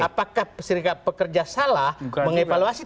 apakah serikat pekerja salah mengevaluasi